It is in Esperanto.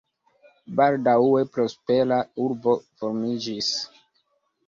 Baldaŭe prospera urbo formiĝis.